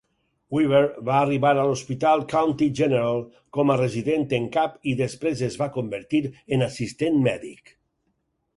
Weaver va arribar a l'hospital County General com a resident en cap i després es va convertir en assistent mèdic.